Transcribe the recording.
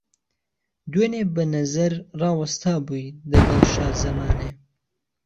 دوێنێ به نەزەر ڕاوهستا بووی دهگهڵ شازهمانێ